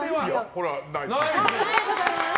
これは、ナイスです。